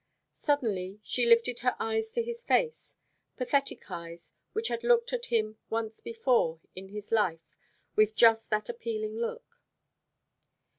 Suddenly she lifted her eyes to his face pathetic eyes which had looked at him once before in his life with just that appealing look.